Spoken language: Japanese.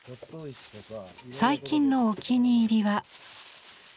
最近のお気に入りは。